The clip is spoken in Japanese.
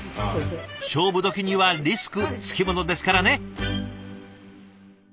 勝負時にはリスク付き物ですからね。